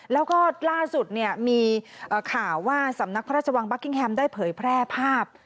แล้วก็ล่าสุดเนี่ยมีข่าวว่าสำนักพระราชวังบัคกิ้งแฮมได้เผยแพร่ภาพ